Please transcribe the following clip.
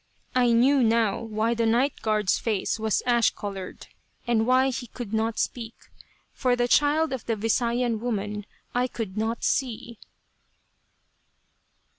I knew now why the night guard's face was ash colored, and why he could not speak. For the child of the Visayan woman I could not see.